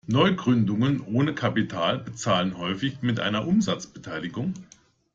Neugründungen ohne Kapital bezahlen häufig mit einer Umsatzbeteiligung.